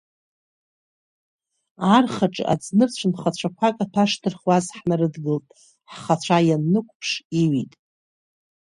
Архаҿы аӡнырцә нхацәақәак аҭәа шдырхуаз ҳнарыдгылт, ҳхацәа ианнықәыԥш, иҩит…